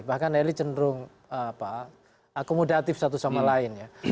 bahkan elit cenderung apa akomodatif satu sama lain ya